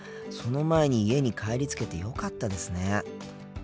その前に家に帰りつけてよかったですね。